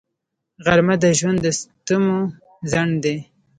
غرمه د ژوند د ستمو ځنډ دی